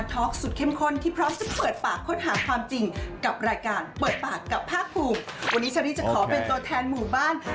ตามติดมาทั้งวันแล้วค่ะเกะกับคุณอุ๋ยภาคภูมิรำคาญดิฉันรึยังคะ